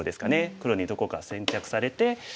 黒にどこか先着されて。